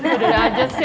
ada ada aja sih